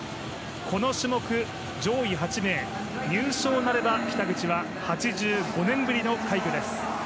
この種目の上位８名、入賞なれば北口は８５年ぶりの快挙です。